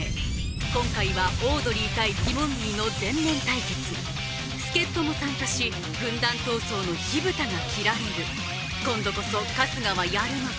今回はオードリー対ティモンディの全面対決助っ人も参加し軍団闘争の火ぶたが切られる今度こそ春日はやるのか？